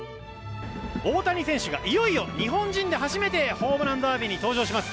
大谷選手がいよいよ日本人で初めてホームランダービーに登場します。